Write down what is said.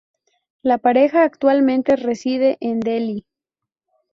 La pareja actualmente reside en Delhi.